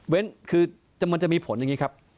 คือมันจะมีผลอย่างนี้ครับ